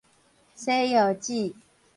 洗腰子